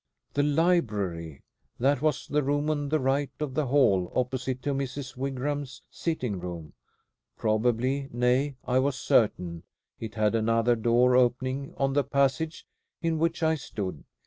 The library? That was the room on the right of the hall, opposite to Mrs. Wigram's sitting room. Probably, nay I was certain, it had another door opening on the passage in which I stood.